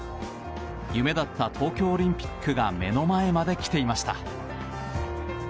夢だった東京オリンピックが目の前まで来ていました。